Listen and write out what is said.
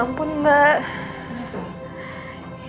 ya ampun mbak